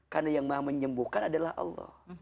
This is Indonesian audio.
karena yang maha menyembuhkan adalah allah